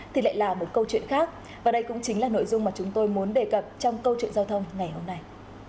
thì lại là một câu chuyện khác và đây cũng chính là nội dung mà chúng tôi muốn đề cập trong câu chuyện giao thông ngày hôm nay